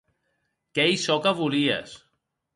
Qu’ei çò que volies.